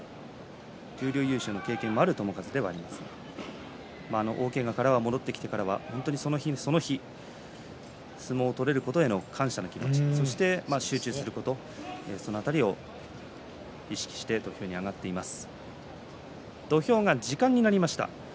十両優勝の経験もある友風ではありますが大けがから戻ってきてからは本当にその日、その日相撲を取れることへの感謝の気持ちそして集中することその辺りを意識して土俵に上がっています。